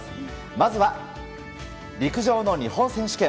まずは、陸上の日本選手権。